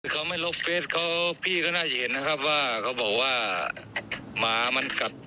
เขาไม่ลบเฟสเขาพี่ก็น่าจะเห็นนะครับว่าเขาบอกว่าหมามันกัด